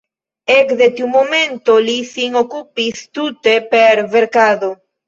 Ekde tiu momento li sin okupis tute per verkado.